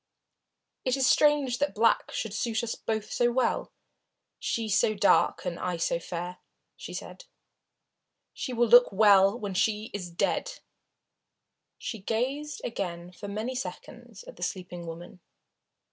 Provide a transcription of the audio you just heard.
"It is strange that black should suit us both so well she so dark and I so fair!" she said. "She will look well when she is dead." She gazed again for many seconds at the sleeping woman.